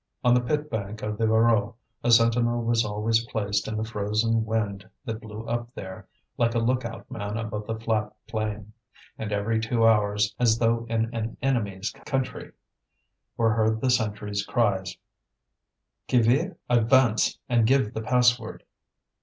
On the pit bank of the Voreux a sentinel was always placed in the frozen wind that blew up there, like a look out man above the flat plain; and every two hours, as though in an enemy's country, were heard the sentry's cries: "Qui vive? Advance and give the password!"